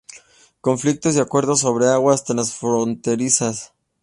Conflictos y Acuerdos sobre Aguas Transfronterizas.